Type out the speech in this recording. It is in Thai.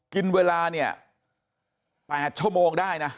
กินเวลาเนี่ย๘ชั่วโมงได้นะ